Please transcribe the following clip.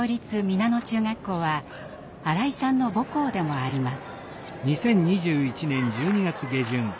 皆野中学校は新井さんの母校でもあります。